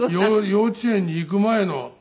幼稚園に行く前の。